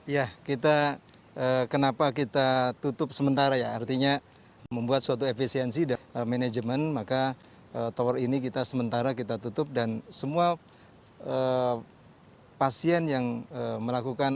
ya kita kenapa kita tutup sementara ya artinya membuat suatu efisiensi dan manajemen maka tower ini kita sementara kita tutup dan semua pasien yang melakukan